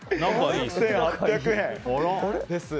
６８００円です。